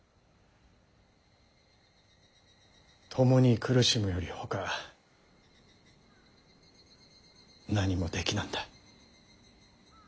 共に苦しむよりほか何もできなんだ。